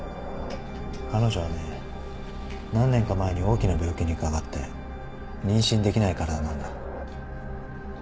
彼女はね何年か前に大きな病気にかかって妊娠できない体なんだ。